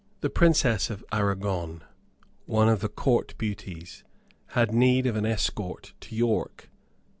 The Princess of Aragon, one of the Court beauties, had need of an escort to York.